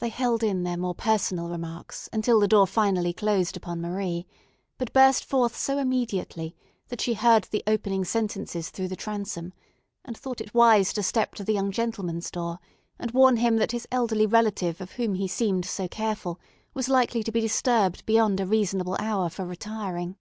They held in their more personal remarks until the door finally closed upon Marie, but burst forth so immediately that she heard the opening sentences through the transom, and thought it wise to step to the young gentleman's door and warn him that his elderly relative of whom he seemed so careful was likely to be disturbed beyond a reasonable hour for retiring.